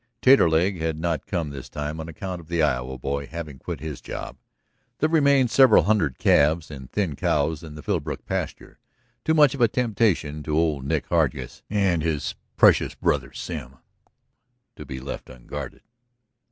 Taterleg had not come this time on account of the Iowa boy having quit his job. There remained several hundred calves and thin cows in the Philbrook pasture, too much of a temptation to old Nick Hargus and his precious brother Sim to be left unguarded.